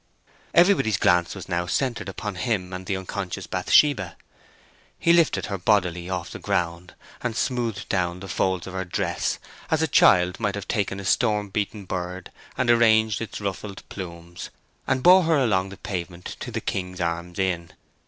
Everybody's glance was now centred upon him and the unconscious Bathsheba. He lifted her bodily off the ground, and smoothed down the folds of her dress as a child might have taken a storm beaten bird and arranged its ruffled plumes, and bore her along the pavement to the King's Arms Inn.